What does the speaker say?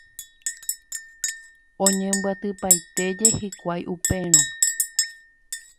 Oñembyatypaitéje hikuái upérõ.